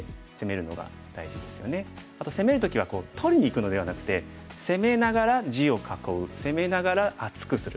あと攻める時は取りにいくのではなくて攻めながら地を囲う攻めながら厚くする